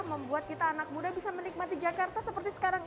membuat kita anak muda bisa menikmati jakarta seperti sekarang